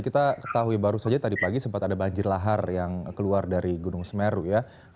kita ketahui baru saja tadi pagi sempat ada banjir lahar yang keluar dari gunung semeru ya